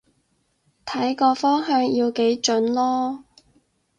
睇個方向要幾準囉